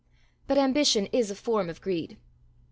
But ambition is a form of greed.